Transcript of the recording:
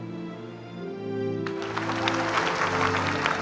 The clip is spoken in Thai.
นะครับ